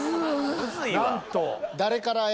むずいわ。